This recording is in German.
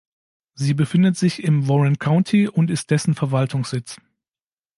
Sie befindet sich im Warren County und ist dessen Verwaltungssitz.